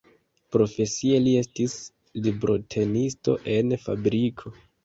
Profesie li estis librotenisto en fabriko.